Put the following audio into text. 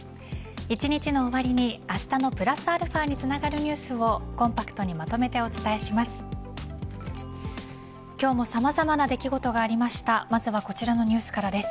一日の終わりにあしたのプラスαにつながるニュースをコンパクトにまとめてお伝えします。